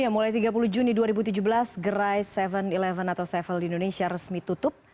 mulai tiga puluh juni dua ribu tujuh belas gerai tujuh sebelas atau tujuh di indonesia resmi tutup